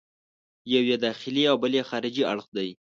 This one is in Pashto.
یو یې داخلي او بل یې خارجي اړخ دی.